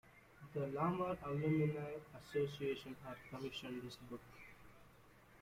The Lamar Alumni Association had commissioned this book.